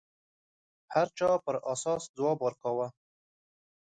هر چا پر اساس ځواب ورکاوه